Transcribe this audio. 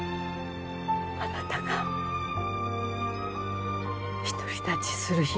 あなたが独り立ちする日が来る事を。